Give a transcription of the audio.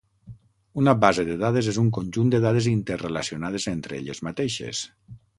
Una base de dades és un conjunt de dades interrelacionades entre elles mateixes.